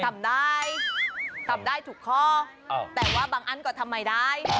ทำได้ทำได้ถูกข้อแต่ว่าบางอันก็ทำไม่ได้